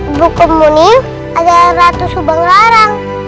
ibu kumuni ada rata subang larang